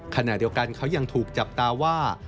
ขณะเดียวกันเขายังถูกจับตาว่า